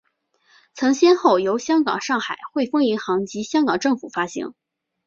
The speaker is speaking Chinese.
曾先后由香港上海汇丰银行及香港政府发行。